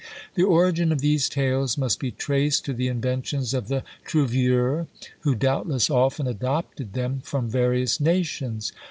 The origin of these tales must be traced to the inventions of the Troveurs, who doubtless often adopted them from various nations.